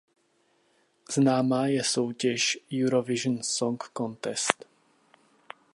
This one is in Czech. Známá je soutěž Eurovision Song Contest.